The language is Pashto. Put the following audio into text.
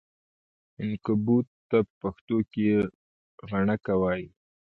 عنکبوت ته په پښتو غڼکه وایې!